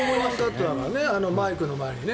マイクの前にね。